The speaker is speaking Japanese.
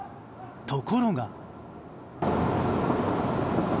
ところが。